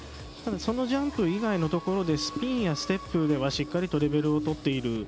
そのジャンプ以外のところでスピンやステップではしっかりレベルをとっている。